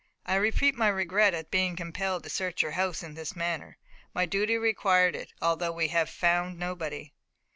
I repeat my regret at being compelled to search your house in this manner. My duty required it, although we have found nobody."